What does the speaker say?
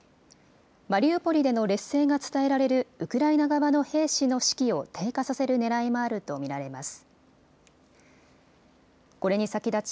マリウポリでの劣勢が伝えられるウクライナ側の兵士の士気を低下させるねらいもあると見られます。